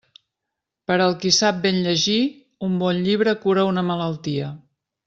Per al qui sap ben llegir, un bon llibre cura una malaltia.